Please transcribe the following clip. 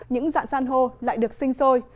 những dạng gian hô lại được sinh sôi